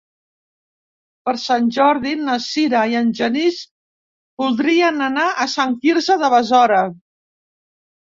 Per Sant Jordi na Sira i en Genís voldrien anar a Sant Quirze de Besora.